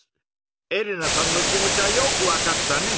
エレナさんの気持ちはよくわかったね。